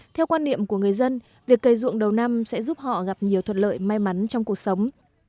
theo quan niệm của người dân việc cây ruộng đầu năm sẽ giúp họ gặp nhiều thuận lợi may mắn trong cuộc sống